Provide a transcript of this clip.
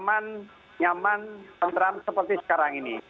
aman nyaman tentram seperti sekarang ini